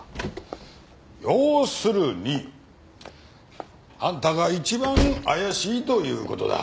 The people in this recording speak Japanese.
要するにあんたが一番怪しいという事だ。